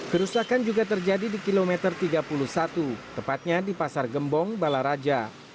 kerusakan juga terjadi di kilometer tiga puluh satu tepatnya di pasar gembong balaraja